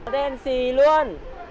đen xì luôn